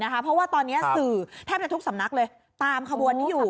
เพราะว่าตอนนี้สื่อแทบจะทุกสำนักเลยตามขบวนนี้อยู่